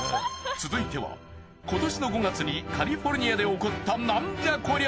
続いては今年の５月にカリフォルニアで起こったナンじゃこりゃ！？